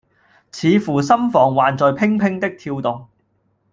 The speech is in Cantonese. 似乎心房還在怦怦的跳動。